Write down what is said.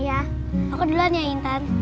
iya aku duluan ya intan